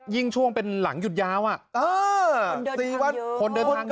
ยิ่งช่วงเป็นหลังหยุดย้าวอ่ะเออคนเดินทางเยอะคนเดินทางเยอะ